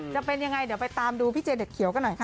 จะเป็นยังไงเดี๋ยวไปตามดูพี่เจเด็กเขียวกันหน่อยค่ะ